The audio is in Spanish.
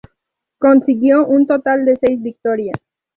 Consiguió un total de seis victorias.